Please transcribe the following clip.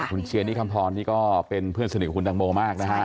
คุณเชียร์นี่คำพรนี่ก็เป็นเพื่อนสนิทของคุณตังโมมากนะฮะ